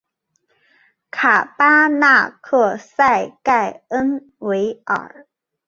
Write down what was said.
卡巴纳克塞盖恩维尔。